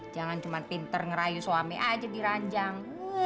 jangan cuma pinter ngerayu suami aja di ranjang